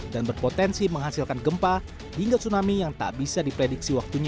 dan berpotensi menghasilkan gempa hingga tsunami yang tak bisa diprediksi waktunya